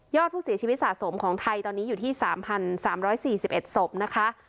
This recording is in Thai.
ยอดผู้เสียชีวิตสะสมของไทยตอนนี้อยู่ที่สามพันสามร้อยสี่สิบเอ็ดศพนะคะ